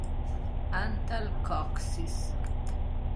Antal Kocsis